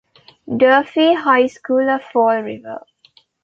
Durfee High School of Fall River.